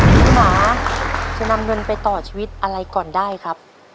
หมาจะนำเงินไปต่อชีวิตอะไรก่อนได้ครับ